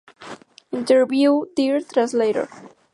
Interview; Dear Translator".